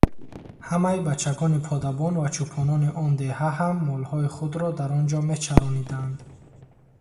Ҳамаи бачагони подабон ва чӯпонони он деҳа ҳам молҳои худро дар он ҷо мечарониданд.